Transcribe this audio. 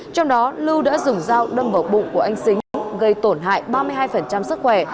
trong đó lưu đã dùng dao đâm vào bụng của anh xính gây tổn hại ba mươi hai sức khỏe